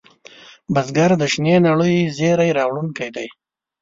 بزګر د شنې نړۍ زېری راوړونکی دی